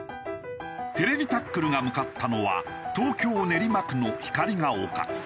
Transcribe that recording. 『ＴＶタックル』が向かったのは東京練馬区の光が丘。